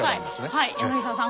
はい柳沢さん